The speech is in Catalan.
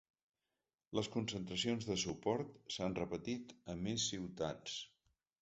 Les concentracions de suport s’han repetit a més ciutats.